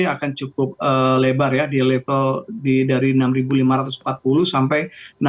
akan cukup lebar ya di level dari enam lima ratus empat puluh sampai enam puluh